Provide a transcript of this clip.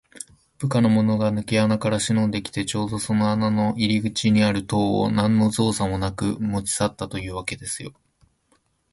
部下のものがぬけ穴からしのんできて、ちょうどその穴の入り口にある塔を、なんのぞうさもなく持ちさったというわけですよ。